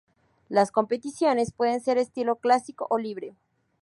Las competiciones pueden ser estilo clásico o libre.